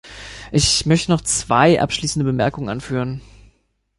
Ich möchte noch zwei abschließende Bemerkungen anführen.